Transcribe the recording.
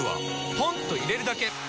ポンと入れるだけ！